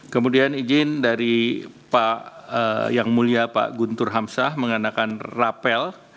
kemudian izin dari pak yang mulia pak guntur hamsah mengenakan rapel